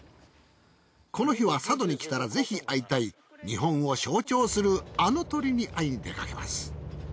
この日は佐渡に来たらぜひ会いたい日本を象徴するあの鳥に会いに出かけます。